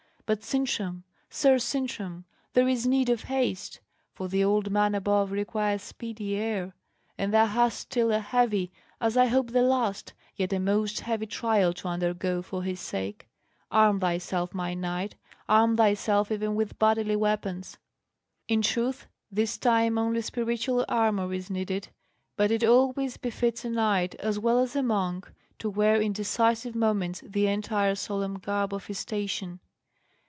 But Sintram, Sir Sintram, there is need of haste; for the old man above requires speedy air, and thou hast still a heavy as I hope the last yet a most heavy trial to undergo for his sake. Arm thyself, my knight, arm thyself even with bodily weapons. In truth, this time only spiritual armour is needed, but it always befits a knight, as well as a monk, to wear in decisive moments the entire solemn garb of his station.